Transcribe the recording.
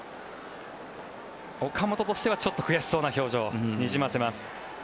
岡本としてはちょっと悔しそうな表情をにじませます。